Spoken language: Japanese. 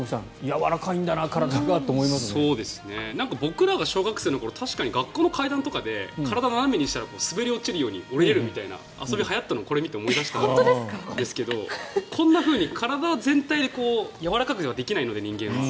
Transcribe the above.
僕らが小学生の頃確かに、学校の階段とかで体を斜めにしたら滑り落ちるように下りれるみたいな遊びがはやったのをこれを見て思い出したんですけどこんなふうに体全体でやわらかくはできないので人間は。